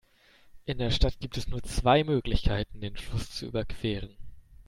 In der Stadt gibt es nur zwei Möglichkeiten, den Fluss zu überqueren.